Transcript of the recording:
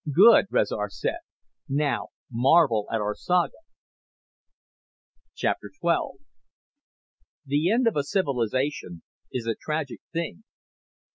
"Good," Rezar said. "Now marvel at our saga." XII The end of a civilization is a tragic thing.